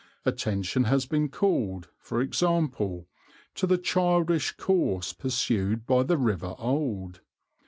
Attention has been called, for example, to the childish course pursued by the River Alde.